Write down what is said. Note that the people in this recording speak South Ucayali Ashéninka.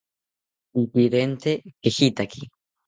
¡Pipirente kejitaki!